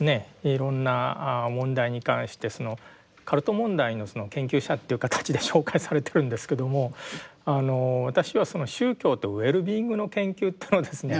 いろんな問題に関してカルト問題の研究者という形で紹介されてるんですけども私は宗教とウェルビーイングの研究というのをですね